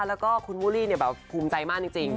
แล้วก็คุณมุรีภูมิใจมากจริง